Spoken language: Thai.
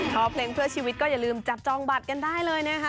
พอเพลงเพื่อชีวิตก็อย่าลืมจับจองบัตรกันได้เลยนะคะ